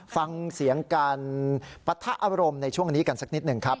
ฟังเสียงการปะทะอารมณ์ในช่วงนี้กันสักนิดหนึ่งครับ